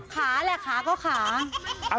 ขาแหละขาก็ขา